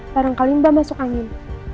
barangkali mbak masuk angin